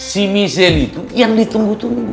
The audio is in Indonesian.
si michelle itu yang ditunggu tunggu